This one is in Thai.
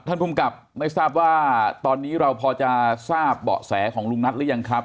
ภูมิกับไม่ทราบว่าตอนนี้เราพอจะทราบเบาะแสของลุงนัทหรือยังครับ